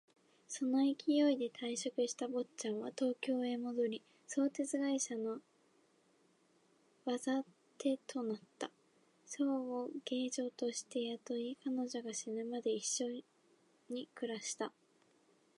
その勢いで辞職した坊っちゃんは東京へ戻り、鉄道会社の技手となった。清を下女として雇い、彼女が死ぬまで一緒に暮らした。